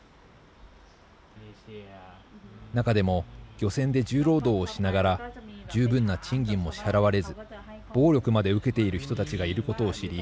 中でも、漁船で重労働をしながら十分な賃金も支払われず暴力まで受けている人たちがいることを知り